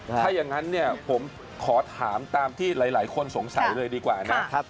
ถ้าอย่างนั้นเนี่ยผมขอถามตามที่หลายคนสงสัยเลยดีกว่านะ